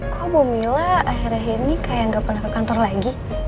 oh bu mila akhirnya ini kayak gak pernah ke kantor lagi